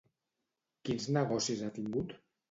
Quins negocis ha tingut?